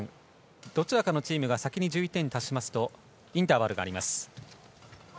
どちらかのチームが先に１１点に達しますとインターバルがあります。